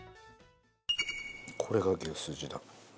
これが牛すじだ。